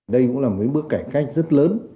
đây cũng là một bước cải cách rất lớn